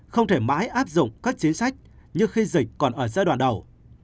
không thể mãi áp dụng các chính sách như khi dịch còn ở giai đoạn đầu